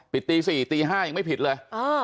ตี๔ตี๕ยังไม่ผิดเลย